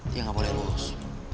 dia gak boleh lulus